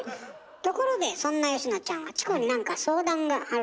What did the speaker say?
ところでそんな佳乃ちゃんはチコに何か相談があるらしいわね。